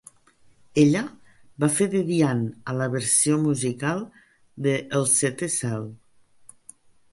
Ella va fer de Diane a la versió musical de "El Setè Cel".